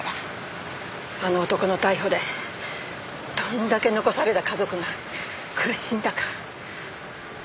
あの男の逮捕でどんだけ残された家族が苦しんだか。